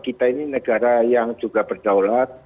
kita juga berdaulat